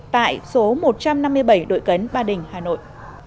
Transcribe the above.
tại số một trăm năm mươi bảy đội cấn ba đình hà nội